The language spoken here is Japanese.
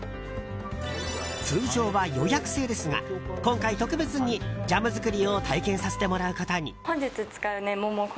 通常は予約制ですが今回、特別にジャム作りを体験させてもらうことに。